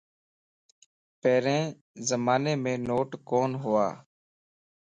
پھرين زمانيم نوٽ ڪون ھوا